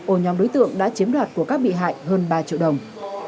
ô nhóm đối tượng đã chiếm đoạt của các bị hại hơn ba triệu đồng